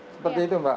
seperti itu mbak